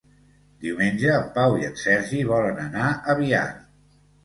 Diumenge en Pau i en Sergi volen anar a Biar.